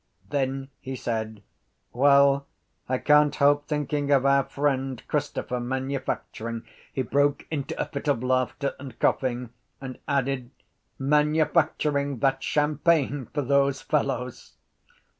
Then he said: —Well, I can’t help thinking of our friend Christopher manufacturing... He broke into a fit of laughter and coughing and added: —...manufacturing that champagne for those fellows.